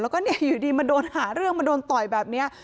แล้วก็อยู่ดีมาโดนหาเรื่องมาโดนต่อยแบบนี้